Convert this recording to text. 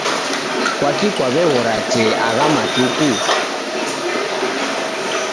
Kwaki kwaweghora te agha matuku?